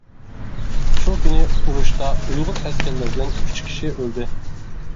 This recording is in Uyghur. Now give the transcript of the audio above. شۇ كۈنى ئۇرۇشتا ئۇيغۇر ئەسكەرلەردىن ئۈچ كىشى ئۆلدى.